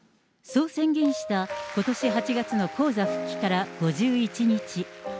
そう宣言したことし８月の高座復帰から５１日。